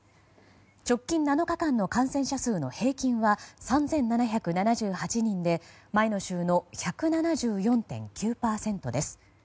直近７日間の感染者数の平均は３７７８人で前の週の１７４．９％です。